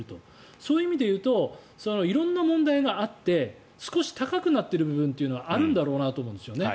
そういう意味で言うと色んな問題があって少し高くなっている部分はあるんだろうなと思うんですね。